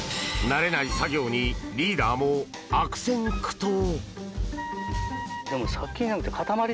慣れない作業にリーダーも悪戦苦闘。